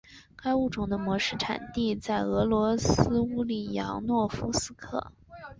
该物种的模式产地在俄罗斯乌里扬诺夫斯克。